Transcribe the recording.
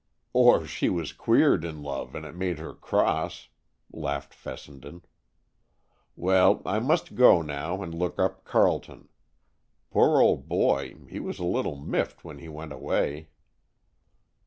"Or she was queered in love and it made her cross," laughed Fessenden. "Well, I must go, now, and look up Carleton. Poor old boy, he was a little miffed when he went away."